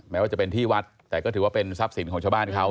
แม้ว่าจะเป็นที่วัดแต่ก็ถือว่าเป็นทรัพย์สินของชาวบ้านเขา